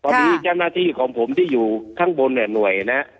ตอนนี้เจ้าหน้าที่ของผมที่อยู่ข้างบนเนี่ยหน่วยนะ